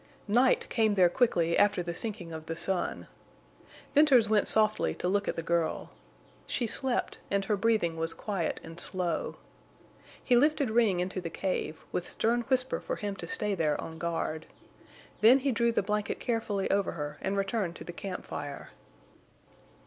Night came there quickly after the sinking of the sun. Venters went softly to look at the girl. She slept, and her breathing was quiet and slow. He lifted Ring into the cave, with stern whisper for him to stay there on guard. Then he drew the blanket carefully over her and returned to the camp fire.